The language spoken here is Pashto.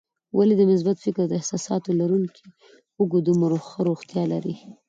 ولې د مثبت فکر او احساساتو لرونکي اوږد عمر او ښه روغتیا لري؟